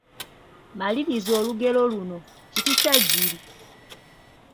Maliriza olugero luno: Kiti kya jjiiri…